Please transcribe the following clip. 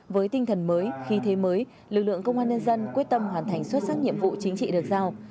với tinh thần mới khí thế mới lực lượng công an nhân dân quyết tâm hoàn thành xuất sắc nhiệm vụ chính trị được giao